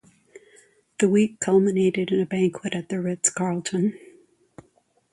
The week culminated in a banquet at the Ritz Carlton.